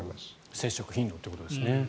接触頻度ということですね。